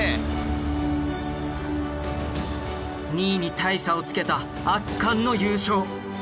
２位に大差をつけた圧巻の優勝。